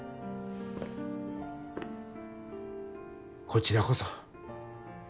こちらこそ。